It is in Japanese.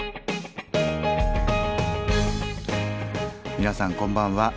皆さんこんばんは。